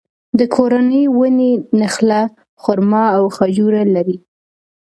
د کورنۍ ونې نخله، خورما او خجوره لري.